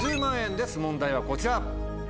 問題はこちら。